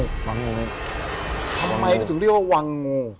ทำไมก็ถึงเรียกว่าวังงู